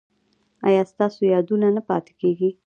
ایا ستاسو یادونه نه پاتې کیږي؟